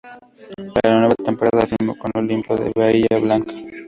Para la nueva temporada firmó con Olimpo de Bahía Blanca.